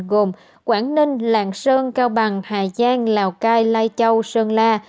gồm quảng ninh lạng sơn cao bằng hà giang lào cai lai châu sơn la